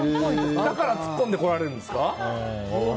だから突っ込んでこられるんですか？